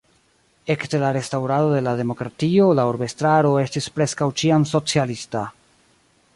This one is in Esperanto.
Ekde la restaŭrado de la demokratio la urbestraro estis preskaŭ ĉiam socialista.